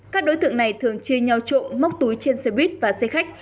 các đối tượng này thường chia nhau trộm móc túi trên xe buýt và xe khách